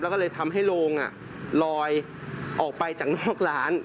แล้วก็เลยทำให้โรงลอยออกไปจากนอกร้าน